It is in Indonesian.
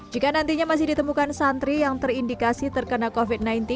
jika nantinya masih ditemukan santri yang terindikasi terkena covid sembilan belas